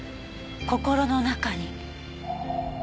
心の中に？